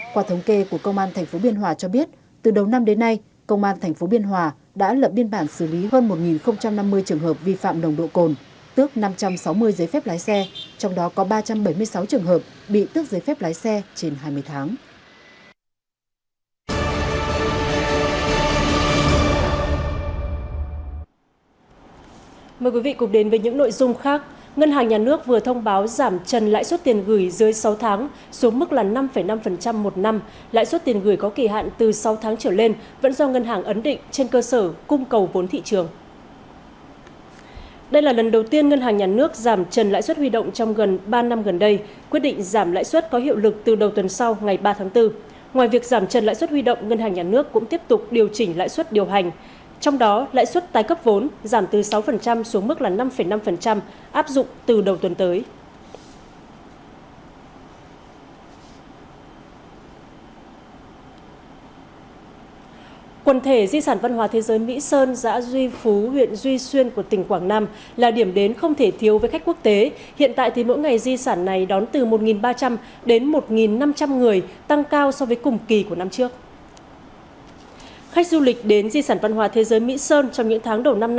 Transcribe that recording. quả thống kê của công an thành phố biên hòa cho biết từ đầu năm đến nay công an thành phố biên hòa đã lập biên bản xử lý hơn một năm mươi trường hợp vi phạm nồng độ cồn tước năm trăm sáu mươi giấy phép lái xe trong đó có ba trăm bảy mươi sáu trường hợp bị tước giấy phép lái xe trên hai mươi tháng